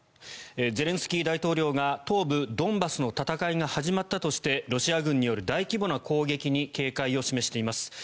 ゼレンスキー大統領が東部ドンバスの戦いが始まったとしてロシア軍による大規模な攻撃に警戒を示しています。